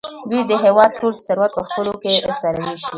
دوی د هېواد ټول ثروت په خپلو کې سره وېشي.